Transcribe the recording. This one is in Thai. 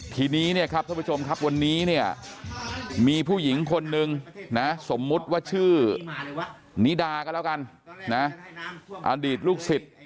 ทีนี้เนี่ยครับท่านผู้ชมครับวันนี้เนี่ยมีผู้หญิงคนนึงนะสมมุติว่าชื่อนิดาก็แล้วกันนะอดีตลูกศิษย์